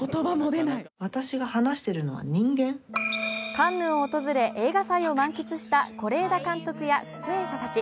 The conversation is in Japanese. カンヌを訪れ映画祭を満喫した是枝監督や出演者たち。